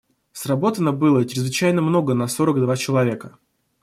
Сработано было чрезвычайно много на сорок два человека.